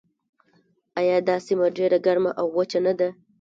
آیا دا سیمه ډیره ګرمه او وچه نه ده؟